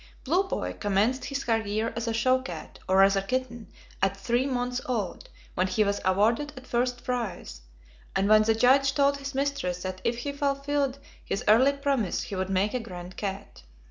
Blue Boy commenced his career as a show cat, or rather kitten, at three months old, when he was awarded a first prize, and when the judge told his mistress that if he fulfilled his early promise he would make a grand cat.